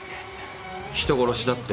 人殺しだって？